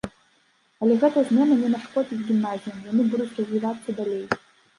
Але гэтыя змены не нашкодзяць гімназіям, яны будуць развівацца далей.